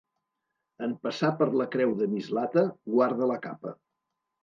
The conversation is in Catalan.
En passar per la creu de Mislata, guarda la capa.